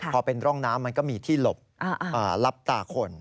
พอเป็นร่องน้ำมันก็มีที่หลบรับตาคน